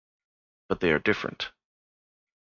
But they are different.